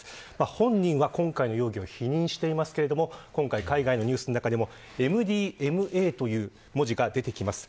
本人は今回の容疑を否認していますけれども今回、海外のニュースの中でもМＤМＡという文字が出てきます。